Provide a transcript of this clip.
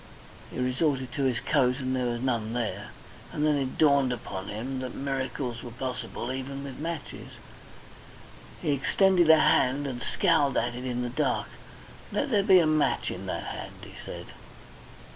He resorted to his coat, and there was none there, and then it dawned upon him that miracles were possible even with matches. He extended a hand and scowled at it in the dark. "Let there be a match in that hand," he said.